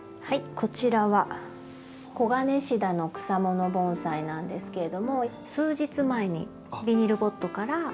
こちらはコガネシダの草もの盆栽なんですけれども数日前にビニールポットから植え替えしてこちらの。